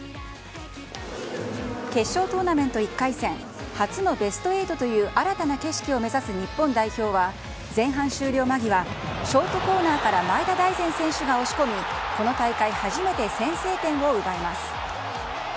決勝トーナメント１回戦、初のベスト８という新たな景色を目指す日本代表は前半終了間際、ショートコーナーから前田大然選手が押し込み、この大会初めて先制点を奪います。